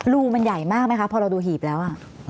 รูมันใหญ่มากไหมคะพอเราดูหีบแล้ว